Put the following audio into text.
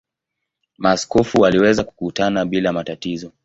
Maaskofu waliweza kukutana bila matatizo.